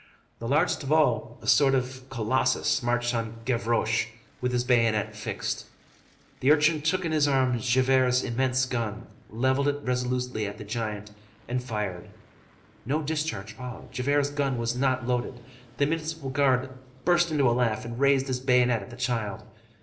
The largest of all, a sort of colossus, marched on Gavroche with his bayonet fixed. The urchin took in his arms Javert's immense gun, levelled it resolutely at the giant, and fired. No discharge followed. Javert's gun was not loaded. The municipal guard burst into a laugh and raised his bayonet at the child.